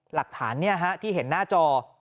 หลักฐานเนี่ยฮะที่เห็นหน้าจอ